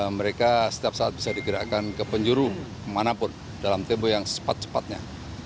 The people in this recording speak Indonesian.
mereka setiap saat bisa digerakkan ke penjuru kemanapun dalam tempo yang secepat cepatnya